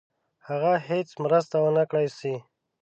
هغه هیڅ مرسته ونه کړای سي.